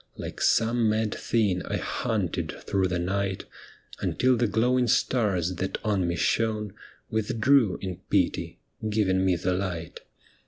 Like some mad thing, I hunted through the night, Until the glowing stars that on me shone Withdrew in pity, giving me the light.